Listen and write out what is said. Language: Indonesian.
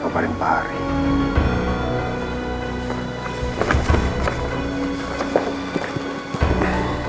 masuk ke barim barim